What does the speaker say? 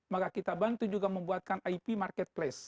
maka kita bantu juga membuatkan ip marketplace